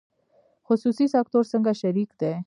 خصوصي سکتور څنګه شریک دی؟